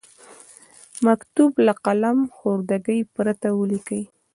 مکتوب له قلم خوردګۍ پرته ولیکئ.